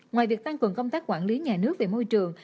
ngoài việc tăng cường công tác quản lý nhà nước về môi trường